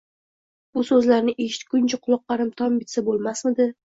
Bu so‘zlarni eshitguncha quloqlarim tom bitsa bo‘lmasmidi?!